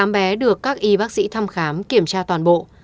một mươi tám bé được các y bác sĩ thăm khám kiểm tra toàn bộ